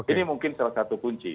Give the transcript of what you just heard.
ini mungkin salah satu kunci